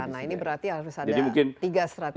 nah ini berarti harus ada tiga strategi